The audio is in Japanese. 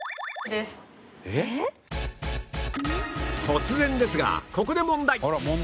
突然ですがここで問題